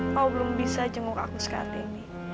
kau belum bisa jenguk aku saat ini